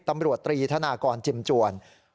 ตำรวจตรีธนากรจิมจวน